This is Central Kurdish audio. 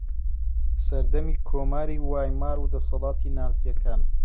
سەردەمی کۆماری وایمار و دەسەڵاتی نازییەکان